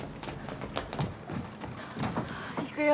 行くよ。